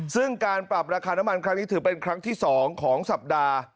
ซึ่งการปรับราคาน้ำมันครั้งนี้ถือเป็นครั้งที่๒ของสัปดาห์